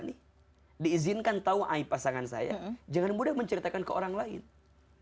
nih diizinkan tahu ayah pasangan saya jangan mudah menceritakan ke orang lain harta kepada orangtua